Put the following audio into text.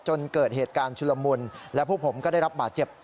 จนเกิดเหตุการณ์ชุลมุนและพวกผมก็ได้รับบาดเจ็บ